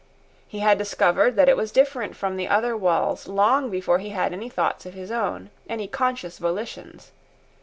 He had discovered that it was different from the other walls long before he had any thoughts of his own, any conscious volitions.